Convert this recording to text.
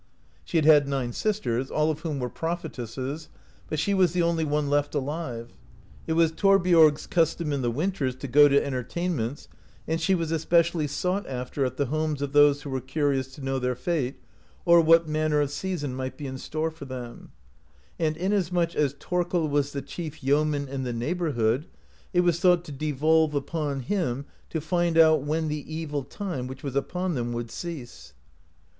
She had had nine sisters, all of whom were prophetesses, but she was the only one left alive. It was Thorbiorg's custom in the winters to go to entertain ments, and she was especially sought after at the homes of those who were curious to know their fate, or what manner of season might be in store for them ; and inas much as Thorkel was the chief yec«nan in the neighbour hood it was thought to devolve upon him to find out when the evil time, which was upon them, would cease.